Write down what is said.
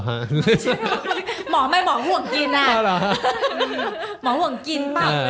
ห่วงกิน